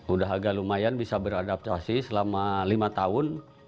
udah agak lumayan bisa beradaptasi selama lima tahun